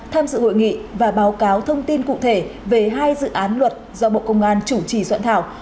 tham dự hội nghị và báo cáo thông tin cụ thể về hai dự án luật do bộ công an chủ trì soạn thảo